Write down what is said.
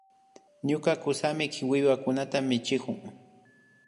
Ñuka kusami wiwakunata michikun